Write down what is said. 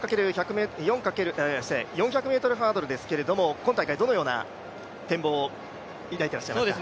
４００ｍハードルですけれども、今大会どのような展望をいだいていますか？